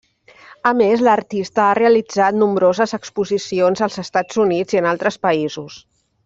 A més, l'artista ha realitzat nombroses exposicions als Estats Units i en altres països.